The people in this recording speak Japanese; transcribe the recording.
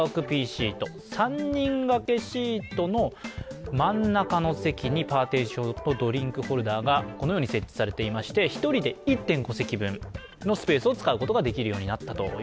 ３人掛けシートの真ん中のパーティションにドリンクホルダーなどが設置されていまして１人で１．５席分のスペースを使うことができます